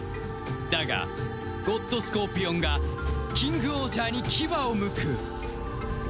だがゴッドスコーピオンがキングオージャーに牙をむくとさ